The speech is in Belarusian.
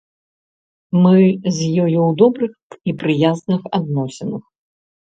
Мы з ёю ў добрых і прыязных адносінах.